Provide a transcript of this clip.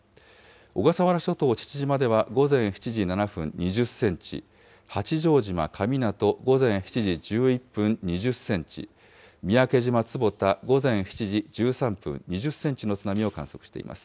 小笠原諸島父島では午前７時７分、２０センチ、八丈島神湊、午前７時１１分、２０センチ、三宅島坪田、午前７時１３分、２０センチの津波を観測しています。